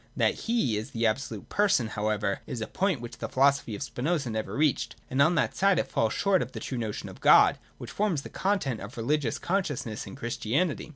That He is the absolute Person however is a point which the philosophy of Spinoza never reached : and on that side it falls short of the true notion of God which forms the content of religious consciousness in Chris tianity.